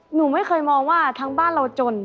หนูไม่เคยมองว่าทั้งบ้านเราจน